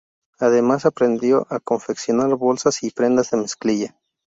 Además, aprendió a confeccionar bolsas y prendas de mezclilla.